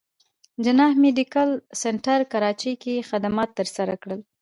جناح ميډيکل سنټر کراچې کښې خدمات تر سره کړل